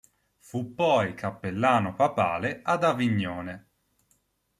Fu poi cappellano papale ad Avignone.